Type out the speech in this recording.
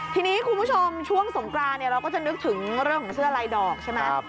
ทีนี้คุณผู้ชมช่วงสงกรานเนี่ยเราก็จะนึกถึงเรื่องของเสื้อลายดอกใช่ไหม